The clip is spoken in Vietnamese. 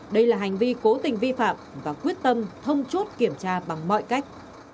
đây là hành vi cố tình vi phạm và quyết tâm thông chốt kiểm tra bằng mọi cách